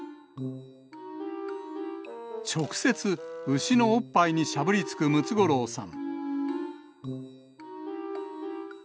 直接、牛のおっぱいにしゃぶりつくムツゴロウさん。